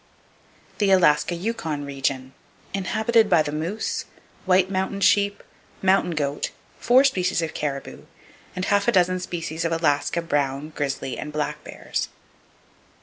The Alaska Yukon Region , inhabited by the moose, white mountain sheep, mountain goat, four species of caribou, and half a dozen species of Alaska brown, grizzly and black bears.